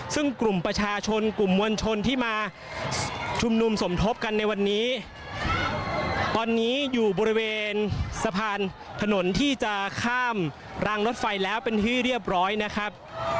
ซึ่งกลุ่มประชาชนกลุ่มมวลชนที่มาชุมนุมสมทบกันในวันนี้ตอนนี้อยู่บริเวณสะพานถนนที่จะข้ามรางรถไฟแล้วเป็นที่เรียบร้อยนะครับ